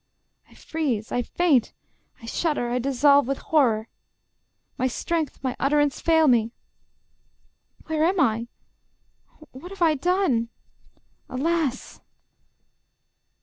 I freeze, I faint, I shudder, I dissolve with horror. My strength, my utterance, fail me. Where am I? What have I done?... Alas!...